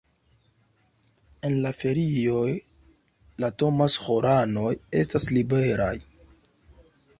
En la ferioj la Thomas-ĥoranoj estas liberaj.